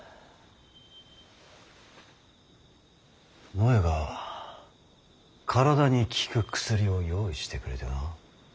のえが体に効く薬を用意してくれてな。